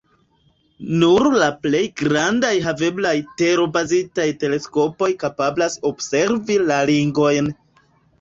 Nur la plej grandaj haveblaj tero-bazitaj teleskopoj kapablas observi la ringojn.